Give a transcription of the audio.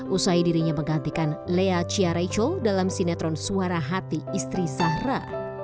usai dirinya menggantikan lea ciaraycol dalam sinetron suara hati istri zahra